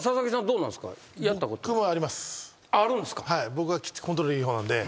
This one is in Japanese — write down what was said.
僕はコントロールいい方なんで。